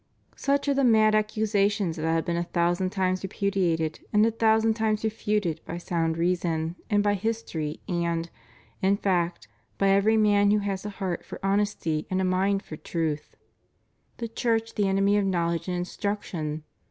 Such are the mad accusations that have been a thousand times repudiated and a thousand times refuted by sound reason and by history and, in fact, by every man who has a heart foi honesty and a mind for truth. » 2 Cor. iv. 4. 570 REVIEW OF HIS PONTIFICATE. The Church the enemy of knowledge and instruction!